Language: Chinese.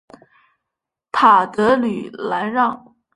塔德吕兰让。